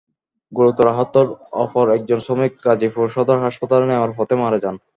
গুরুতর আহত অপর একজন শ্রমিক গাজীপুর সদর হাসপাতালে নেওয়ার পথে মারা যান।